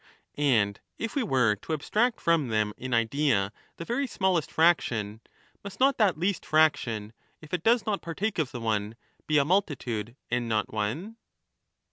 And if we were to abstract from them in idea the very smallest fraction, must not that least fraction, if it does not partake of the one, be a multitude and not one